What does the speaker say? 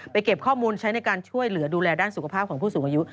เก็บข้อมูลใช้ในการช่วยเหลือดูแลด้านสุขภาพของผู้สูงอายุ